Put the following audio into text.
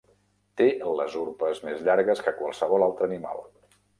Té les urpes més llargues que qualsevol altre animal.